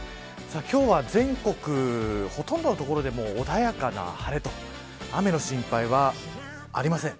今日は全国ほとんどの所で穏やかな晴れと雨の心配はありません。